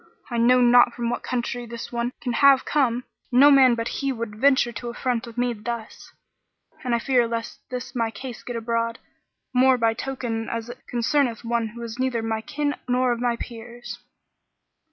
I know not from what country this one can have come: no man but he would venture to affront me thus, and I fear lest this my case get abroad, more by token as it concerneth one who is neither of my kin nor of my peers."